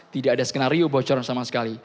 tidak ada skenario bocoran sama sekali